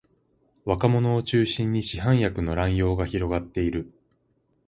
若者を中心に市販薬の乱用が広がっている